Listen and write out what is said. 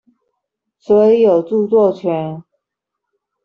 所以有著作權